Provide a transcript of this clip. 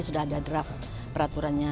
sudah ada draft peraturannya